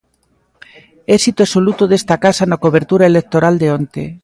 Éxito absoluto desta casa na cobertura electoral de onte.